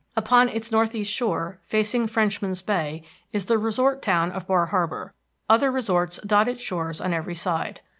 Upon its northeast shore, facing Frenchman's Bay, is the resort town of Bar Harbor; other resorts dot its shores on every side.